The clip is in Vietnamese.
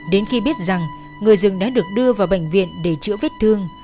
đến khi biết rằng người rừng đã được đưa vào bệnh viện để chữa vết thương